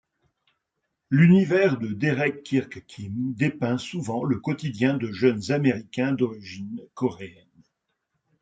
L'univers de Derek Kirk Kim dépeint souvent le quotidien de jeunes américains d'origine coréenne.